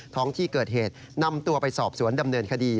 ท้องที่เกิดเหตุนำตัวไปสอบสวนดำเนินคดี